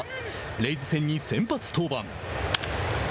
レイズ戦に先発登板。